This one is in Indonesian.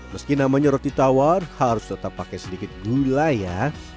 meski namanya roti tawar harus tetap pakai sedikit gula ya